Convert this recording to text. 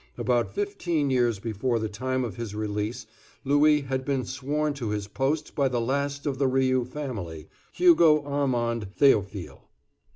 About fifteen years before the time of his release Louis had been sworn to his post by the last of the Rioux family—Hugo Armand Theophile.